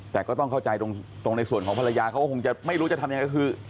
แต่ก็ต้องเข้าใจตรงในส่วนของภรรยาเขาก็คงจะไม่รู้จะทำยังไงก็คือ